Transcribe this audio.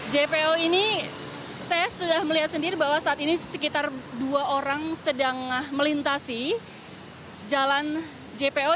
jpo ini saya sudah melihat sendiri bahwa saat ini sekitar dua orang sedang melintasi jalan jpo